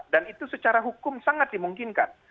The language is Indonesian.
dan itu secara hukum sangat dimungkinkan